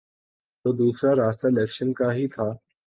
تو دوسرا راستہ الیکشن کا ہی تھا۔